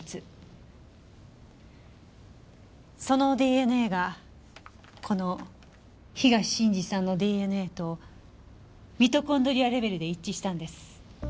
そのＤＮＡがこの東信司さんのＤＮＡとミトコンドリアレベルで一致したんです。